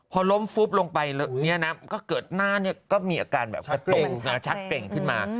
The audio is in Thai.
พอล้มฟุ๊บลงไปเนี่ยนะก็เกิดหน้าเนี่ยก็มีอาการแบบกระตุงชักเปล่งขึ้นมา